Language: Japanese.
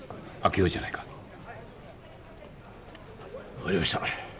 分かりました。